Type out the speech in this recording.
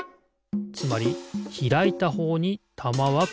つまりひらいたほうにたまはころがる。